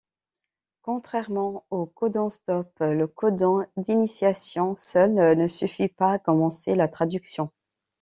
Contrairement aux codons-stop, le codon d'initiation seul ne suffit pas à commencer la traduction.